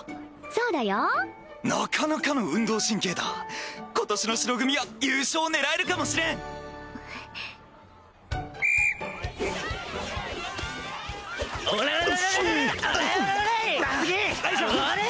そうだよなかなかの運動神経だ今年の白組は優勝狙えるかもしれんおららららら！